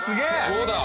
どうだ？